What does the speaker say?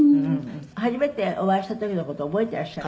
「初めてお会いした時の事覚えてらっしゃる？」